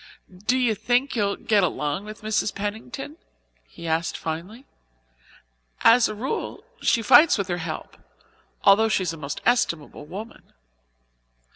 "Do you think you'll get along with Mrs. Pennington?" he asked finally. "As a rule she fights with her help, although she is a most estimable woman."